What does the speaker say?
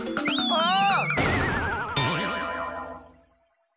ああ。